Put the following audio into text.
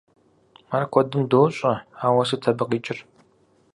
Ар куэдым дощӏэ, ауэ сыт абы къикӏыр?